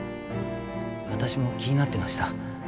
私も気になってました。